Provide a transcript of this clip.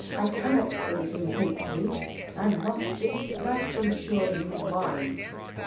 I cannot think you hate me, and must this night ensure you mine.